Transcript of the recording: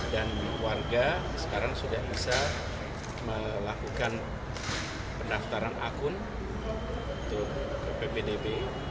dan warga sekarang sudah bisa melakukan pendaftaran akun ke ppdb